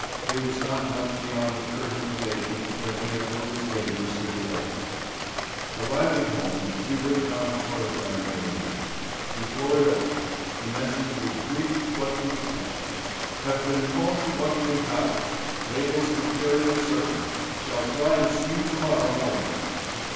There was not much beyond the curt information that the Emperor was dangerously ill. Arrived home Hubert found a telegram awaiting him. He tore it open. The message was brief but to the point. "Have been called in to Buckingham Palace, Label's diphtheria certain. Shall try and see you to morrow morning.